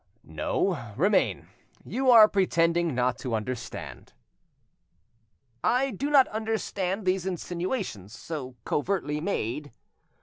"No, remain; you are pretending not to understand." "I do not understand these insinuations so covertly made."